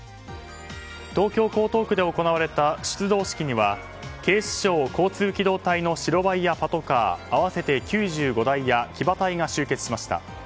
東京・江東区で行われた出動式には警視庁交通機動隊の白バイやパトカー合わせて９５台や騎馬隊が集結しました。